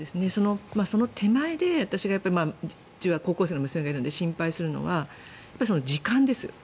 その手前で私が高校生の娘がいるので心配するのは時間です。